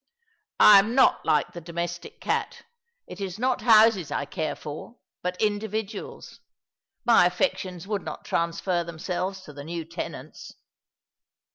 " I am not like the domestic cat. It is not houses I care for, but individuals. My affections would not transfer them selves to the new tenants."